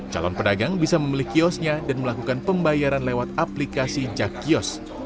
calon pedagang bisa membeli kiosnya dan melakukan pembayaran lewat aplikasi jakkios